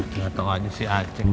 tidak tahu aja si acek